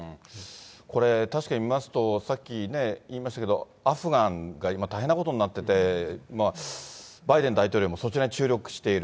これ、確かに見ますと、さっきね、言いましたけど、アフガンが今、大変なことになってて、バイデン大統領もそちらに注力している。